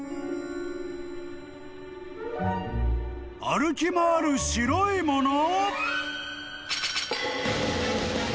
［歩き回る白いもの？］